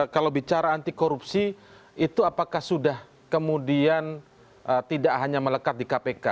kalau bicara anti korupsi itu apakah sudah kemudian tidak hanya melekat di kpk